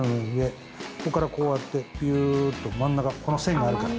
ここからこうやってぴゅっと真ん中この線があるから。